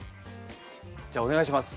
じゃあお願いします。